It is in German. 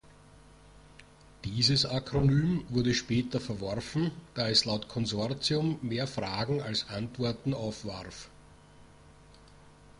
Dieses Akronym wurde später verworfen, da es laut Konsortium mehr Fragen als Antworten aufwarf.